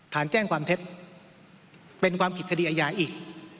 แจ้งความเท็จเป็นความผิดคดีอาญาอีก